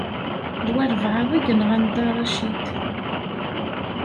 D walebɛaḍ i yenɣan Dda Racid.